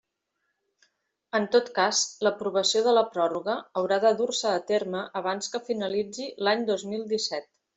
En tot cas, l'aprovació de la pròrroga haurà de dur-se a terme abans que finalitzi l'any dos mil disset.